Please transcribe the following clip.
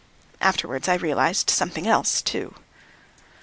Afterwards I realised something else, too.